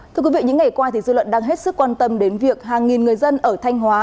thưa quý vị những ngày qua dư luận đang hết sức quan tâm đến việc hàng nghìn người dân ở thanh hóa